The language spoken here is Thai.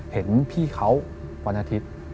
เห็นพี่เขาวันอาทิตย์